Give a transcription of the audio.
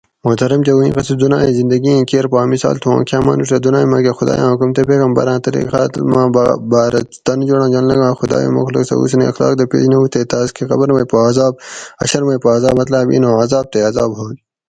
مھترم جوو ایں قصہ دُنایٔیں زندہ گی ایں کیر پا اۤ مثال تھو اُوں کاۤں مانوڄہ دونائ ماکہ خدایاں حکم تے پیغمبراں (ص) طریقاۤ ما باۤرہ تانی جوڑاں جوند لنگاگ تے خدایٔیں مخلوق سہ حُسن اخلاق دہ پیش نہ ھو تہ تے تاۤس کہ قبر مئ پا عزاب حشَر مئ پا عزاب مطلاۤب ایں نوں عزاب تے عزاب ھوگ